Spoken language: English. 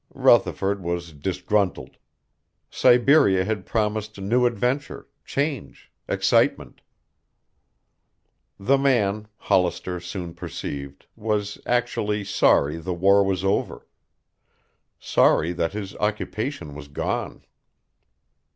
Rutherford was disgruntled. Siberia had promised new adventure, change, excitement. The man, Hollister soon perceived, was actually sorry the war was over, sorry that his occupation was gone.